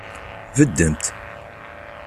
Beddemt!